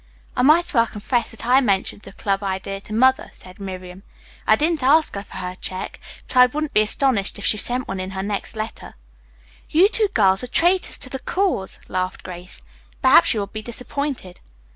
"I might as well confess that I mentioned the club idea to Mother," said Miriam. "I didn't ask her for a check, but I wouldn't be astonished if she sent one in her next letter." "You two girls are traitors to the cause," laughed Grace. "Perhaps you will be disappointed."